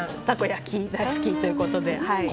たこ焼き大好きということで。